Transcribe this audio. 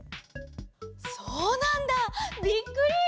そうなんだ！びっくり！